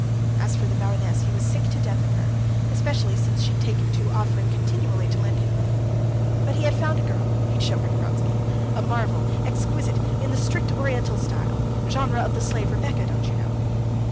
As for the baroness, he was sick to death of her, especially since she'd taken to offering continually to lend him money. But he had found a girl—he'd show her to Vronsky—a marvel, exquisite, in the strict Oriental style, "genre of the slave Rebecca, don't you know."